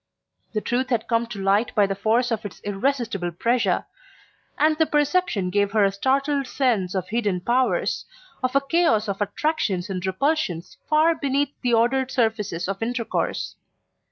The truth had come to light by the force of its irresistible pressure; and the perception gave her a startled sense of hidden powers, of a chaos of attractions and repulsions far beneath the ordered surfaces of intercourse.